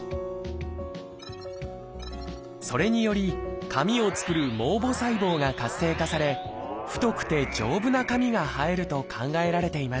それにより髪を作る毛母細胞が活性化され太くて丈夫な髪が生えると考えられています